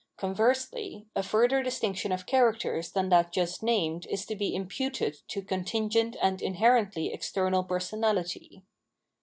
Conversely, a further distinction of characters than that just named is to be imputed to contingent and ioherently external personahty.